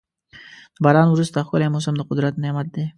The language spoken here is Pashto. د باران وروسته ښکلی موسم د قدرت نعمت دی.